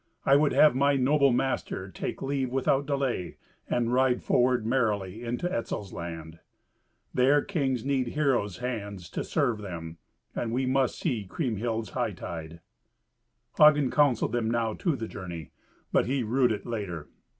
I would have my noble master take leave without delay, and ride forward merrily into Etzel's land. There kings need heroes' hands to serve them, and we must see Kriemhild's hightide." Hagen counselled them now to the journey, but he rued it later.